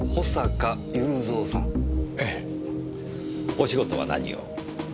お仕事は何を？